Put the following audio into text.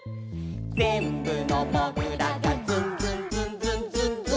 「ぜんぶのもぐらが」「ズンズンズンズンズンズン」